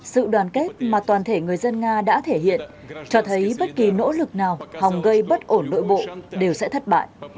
sự đoàn kết mà toàn thể người dân nga đã thể hiện cho thấy bất kỳ nỗ lực nào hòng gây bất ổn nội bộ đều sẽ thất bại